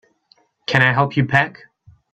Can I help you pack?